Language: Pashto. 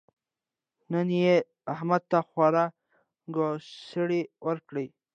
نن يې احمد ته خورا ګوسړې ورکړې.